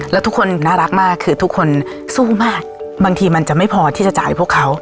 แล้วทุกคนน่ารักมากคือทุกคนสู้มากบางทีมันจะไม่พอที่จะจ่ายพวกเขา